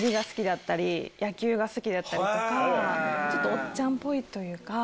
おっちゃんっぽいというか。